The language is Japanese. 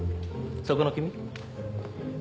そこの君。